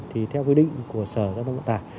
thì theo quy định của sở giám đốc vận tải